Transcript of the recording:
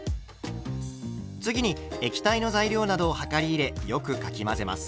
次に液体の材料などを量り入れよくかき混ぜます。